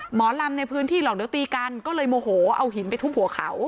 หมอลำในพื้นที่หรอกเดี๋ยวตีกันก็เลยโมโหเอาหินไปทุบหัวเขา